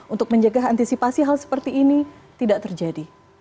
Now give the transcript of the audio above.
untuk menjaga antisipasi hal seperti ini tidak terjadi